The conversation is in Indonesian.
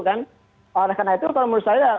kan oleh karena itu kalau menurut saya